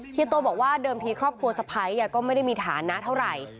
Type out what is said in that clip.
โต้บอกว่าเดิมทีครอบครัวสะพ้ายก็ไม่ได้มีฐานะเท่าไหร่